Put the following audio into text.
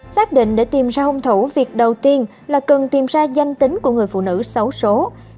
xác định để tìm ra hung thủ việc đầu tiên là cần tìm ra danh tính của người phụ nữ xấu số